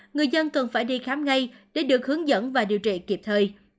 người dân cần phải đi khám ngay để được hướng dẫn và điều trị kịp thời